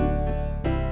aku mau ke tempat usaha